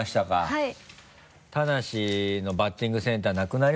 はい。